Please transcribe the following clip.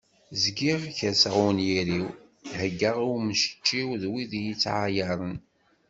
Zgiɣ kerseɣ i unyir-iw, heggaɣ i umcečew d wid iyi-ittɛayaren.